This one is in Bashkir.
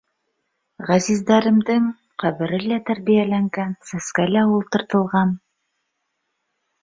Ғәзиздәремдең ҡәбере лә тәрбиәләнгән, сәскә лә ултыртылған.